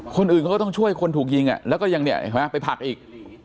คนอื่นเขาก็ต้องช่วยคนถูกยิงแล้วก็ยังเนี่ยเห็นไหมไปผลักอีก